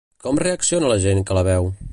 Com reacciona la gent que la veu?